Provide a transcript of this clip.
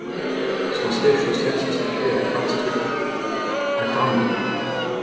Son siège social se situait à Kastrup, à Tårnby.